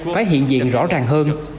phải hiện diện rõ ràng hơn